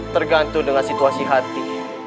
tergantung dengan situasi hati